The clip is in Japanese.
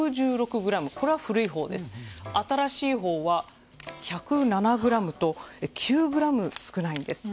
これは古いほうですが新しいほうは１０７ｇと９ｇ少ないんです。